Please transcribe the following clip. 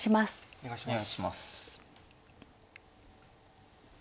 お願いします。